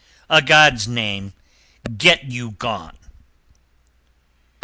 A God's name get you gone."